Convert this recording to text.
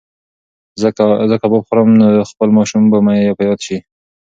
که زه کباب وخورم نو خپل ماشومتوب به مې په یاد شي.